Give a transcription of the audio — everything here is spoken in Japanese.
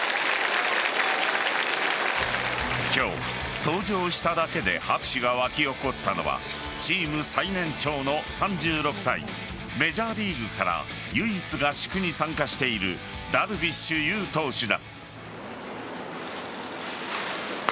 登場しただけで拍手がわき起こったのはチーム最年長の３６歳メジャーリーグから唯一合宿に参加しているダルビッシュ有投手だ。